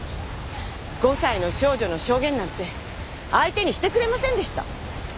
５歳の少女の証言なんて相手にしてくれませんでした。